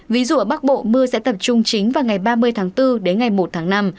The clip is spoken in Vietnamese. ví dụ ở bắc bộ mưa sẽ tập trung chính vào ngày ba mươi tháng bốn đến ngày một tháng năm